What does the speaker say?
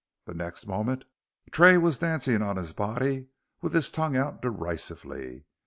The next moment Tray was dancing on his body with his tongue out derisively.